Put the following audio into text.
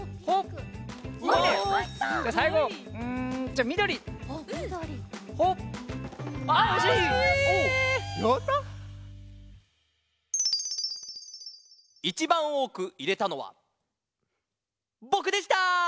いちばんおおくいれたのはぼくでした！